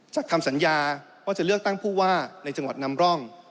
คำสัญญาว่าจะเลือกตั้งผู้ว่าในจังหวัดนำร่อง